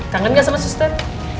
kangen gak sama suster